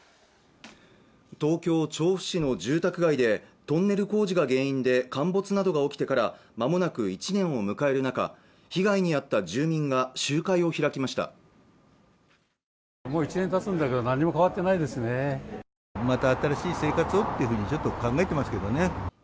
東京調布市の住宅街でトンネル工事が原因で陥没などが起きてからまもなく１年を迎える中、被害に遭った住民が集会を開きました